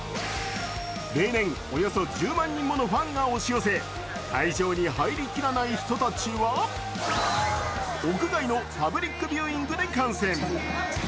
例年およそ１０万人ものファンが押し寄せ会場に入りきらない人たちは屋外のパブリックビューイングで観戦。